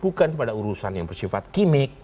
bukan pada urusan yang bersifat gimmick